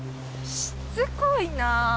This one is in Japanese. しつこいな。